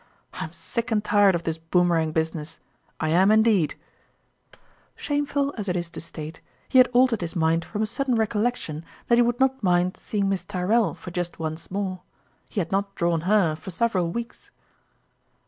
I am sick and tired of this Boom erang business, I am indeed !" Shameful as it is to state, he had altered his mind from a sudden recollection that he 140 Courmaliirs (Time would not mind seeing Miss Tyrrell for just once more. He had not drawn her for several weeks.